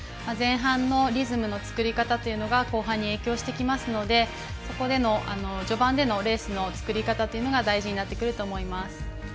前半のリズムの作り方というのは後半に影響していきますのでそこでの序盤でのレースのつくり方っていうのが大事になってくると思います。